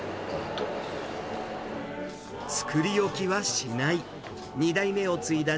作り置きはしない。